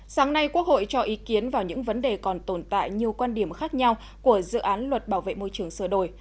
sáng nay quốc hội cho ý kiến vào những vấn đề còn tồn tại nhiều quan điểm khác nhau của dự án luật bảo vệ môi trường sửa đổi